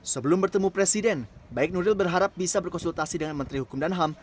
sebelum bertemu presiden baik nuril berharap bisa berkonsultasi dengan menteri hukum dan ham